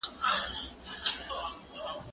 پوښتنه وکړه؟